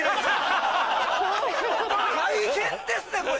大変ですねこれ。